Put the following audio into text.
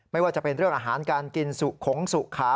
ไม่ว่าจะเป็นเรื่องอาหารการกินสุขงสุขา